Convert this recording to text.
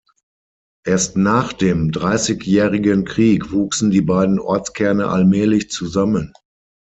Erst nach dem Dreißigjährigen Krieg wuchsen die beiden Ortskerne allmählich zusammen.